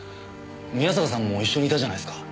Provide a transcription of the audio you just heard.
宮坂さんも一緒にいたじゃないですか。